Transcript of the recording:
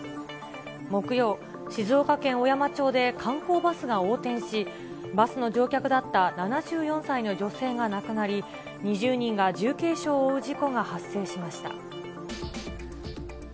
木曜、静岡県小山町で観光バスが横転し、バスの乗客だった７４歳の女性が亡くなり、２０人が重軽傷を負う事故が発生しました。